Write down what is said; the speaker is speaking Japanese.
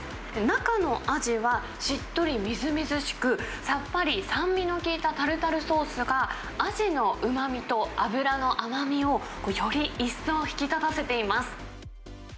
中のアジはしっとりみずみずしく、さっぱり酸味の利いたタルタルソースが、アジのうまみと脂の甘みを、より一層引き立たせています。